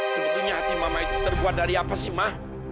sebetulnya hati mama itu terbuat dari apa sih ma